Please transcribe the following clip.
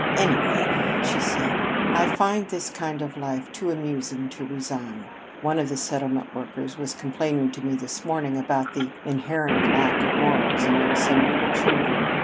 "Anyway," she said, "I find this kind of life too amusing to resign. One of the settlement workers was complaining to me this morning about the inherent lack of morals among some of our children.